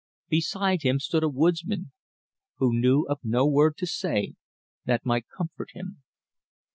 Beside him stood a woodsman, who knew of no word to say that might comfort him.